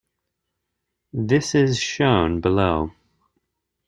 This is shown below.